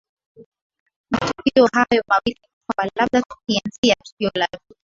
matukio hayo mawili ni kwamba labda tukianzia tukio la vita